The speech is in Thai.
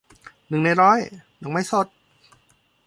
หนึ่งในร้อย - ดอกไม้สด